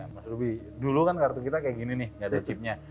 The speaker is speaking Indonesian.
mas ruby dulu kan kartu kita kayak gini nih gak ada chipnya